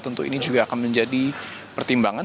tentu ini juga akan menjadi pertimbangan